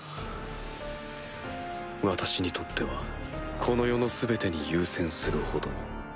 私にとってはこの世の全てに優先するほどに。